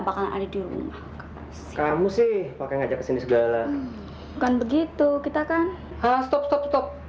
bakalan ada di rumah kamu sih pakai ngajak sini segala kan begitu kita kan stop stop